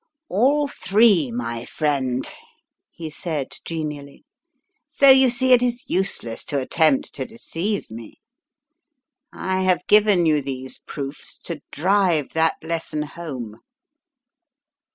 "All three, my friend," he said, genially. "So you see it is useless to attempt to deceive me. I have given you these proofs, to drive that lesson home.